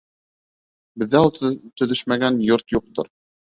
Беҙҙә ул төҙөшмәгән йорт юҡтыр.